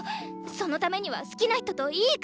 そのためには好きな人といい感じになって！